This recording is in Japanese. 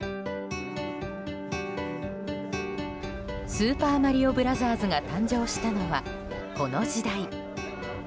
スーパーマリオブラザーズが誕生したのはこの時代。